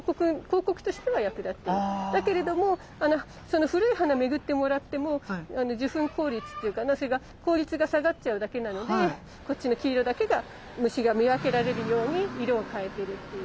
だからだけれどもその古い花巡ってもらっても受粉効率っていうかなそれが効率が下がっちゃうだけなのでこっちの黄色だけが虫が見分けられるように色を変えてるっていう。